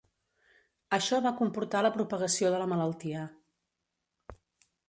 Això va comportar la propagació de la malaltia.